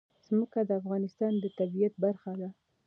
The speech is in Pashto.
ځمکه د افغانستان د طبیعت برخه ده.